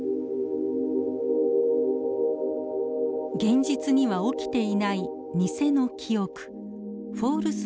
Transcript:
現実には起きていない偽の記憶フォールス